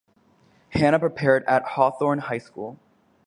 Hannah prepped at Hawthorne High School.